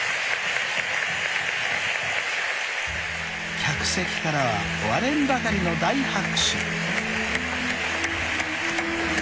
［客席からは割れんばかりの大拍手］